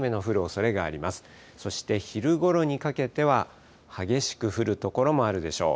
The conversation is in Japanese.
そして昼ごろにかけては激しく降る所もあるでしょう。